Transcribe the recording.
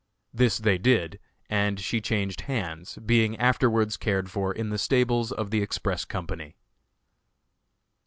This they did, and she changed hands, being afterwards cared for in the stables of the Express Company.